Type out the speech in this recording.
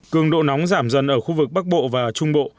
cường độ nóng giảm dần ở khu vực bắc bộ và trung bộ